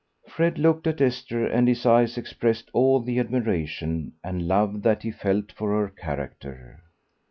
Fred looked at Esther, and his eyes expressed all the admiration and love that he felt for her character.